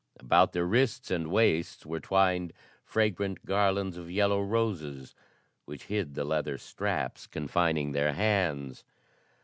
About their wrists and waists were twined fragrant garlands of yellow roses which hid the leather straps confining their hands.